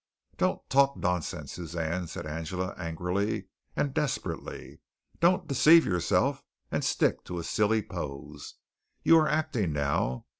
"Don't talk nonsense, Suzanne!" said Angela angrily and desperately. "Don't deceive yourself and stick to a silly pose. You are acting now.